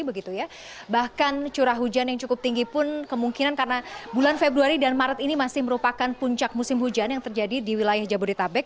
bahkan curah hujan yang cukup tinggi pun kemungkinan karena bulan februari dan maret ini masih merupakan puncak musim hujan yang terjadi di wilayah jabodetabek